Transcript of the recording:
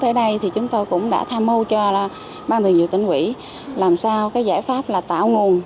tới đây thì chúng tôi cũng đã tham mưu cho ban thường dự tính quỹ làm sao cái giải pháp là tạo nguồn